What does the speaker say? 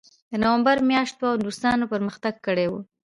د نومبر میاشت وه او روسانو پرمختګ کړی و